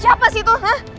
siapa sih itu